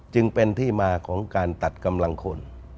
จึงเป็นที่มาของการตัดกำลังคน